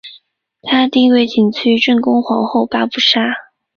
她的地位次于正宫皇后八不沙。